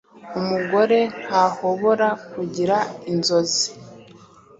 Umugore ntahobora kugira inzozi